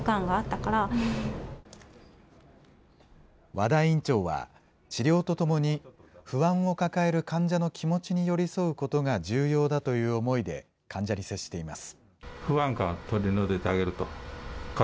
和田院長は、治療とともに、不安を抱える患者の気持ちに寄り添うことが重要だという思いで、患者に接しています。